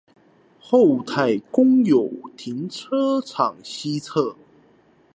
厚泰公有停車場西側